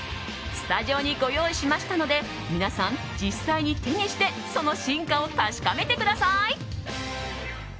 スタジオにご用意しましたので皆さん、実際に手にしてその進化を確かめてください。